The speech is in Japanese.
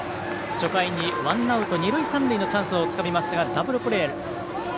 初回にワンアウト二塁三塁のチャンスを作りましたがダブルプレー。